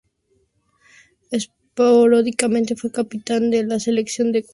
Esporádicamente fue capitán de la Selección de Ecuador.